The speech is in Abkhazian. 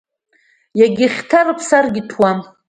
Егьа хьы ҭарыԥсаргь, иҭәуам…